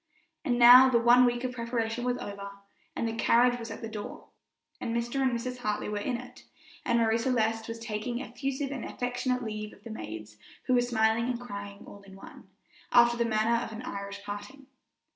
And now the one week of preparation was over, and the carriage was at the door, and Mr. and Mrs. Harris were in it, and Marie Celeste was taking effusive and affectionate leave of the maids, who were smiling and crying all in one, after the manner of an Irish parting.